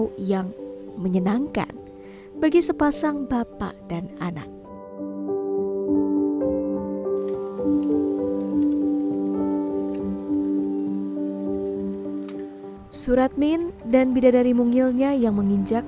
itu yang menyenangkan bagi sepasang bapak dan anak min dan bidadari mungilnya yang menginjak